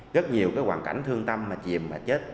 rất nhiều cái hoàn cảnh thương tâm mà chìm và chết